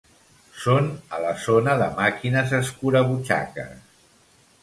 Són a la zona de màquines escurabutxaques.